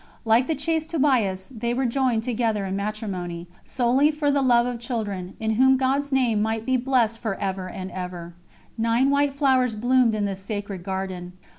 Like the chaste Tobias, they were joined together in matrimony "solely for the love of children, in whom God's Name might be blessed for ever and ever." Nine white flowers bloomed in this sacred garden.